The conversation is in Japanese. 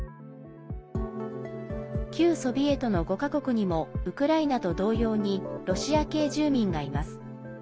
旧ソビエトの５か国にもウクライナと同様にロシア系住民がいます。